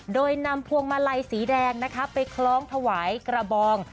โดยนำพวงมาลัยสีแดงนะคะไปคล้องถวายกระบอง